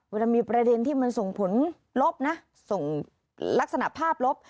เวลามีประเด็นที่มันส่งผลลบนะส่งลักษณะภาพลบ